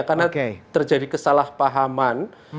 karena terjadi kesalahpahaman